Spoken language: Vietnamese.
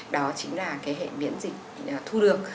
đó chính là cái hệ miễn dịch thu được